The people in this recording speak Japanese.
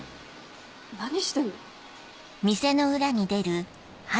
何してんの？